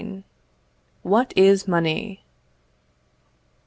What Is Money?